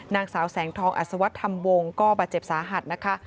นางสาวแสงทองอัศวรรษธรรมวงศ์ก็บาดเจ็บสาหัสนะคะ